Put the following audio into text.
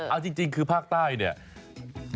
เอาจริงคือภาคใต้เนี่ย